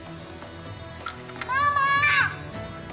ママ！